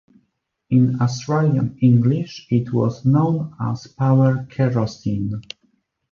In Australian English it was known as power kerosene.